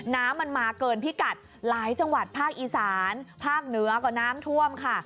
น้ำมันมาเกินพิกัดหลายจังหวัดภาคอีสานภาคเหนือก็น้ำท่วมค่ะ